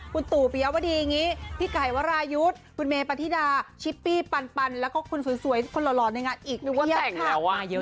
คุณตู่เปียวว่าดีอย่างงี้พี่ไกวรายุทคุณเมย์ปาธิดาชิปปี้ปันแล้วก็คุณสวยคนร้อนในงานอีกเพียบมาก